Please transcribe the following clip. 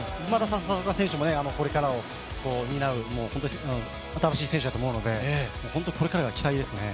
笹岡選手もこれからを担う選手だと思うので、これからが期待ですね。